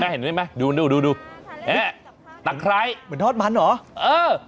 เห็นไหมดูดูตะไคร้เหมือนทอดมันเหรอเออ